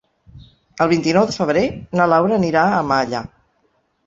El vint-i-nou de febrer na Laura anirà a Malla.